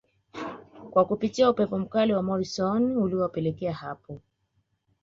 kwa kupitia upepo mkali wa Morisoon uliowapeleka hapo